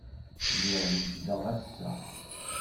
Lliɣ wejdeɣ assa.